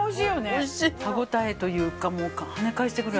歯応えというかもう跳ね返してくる。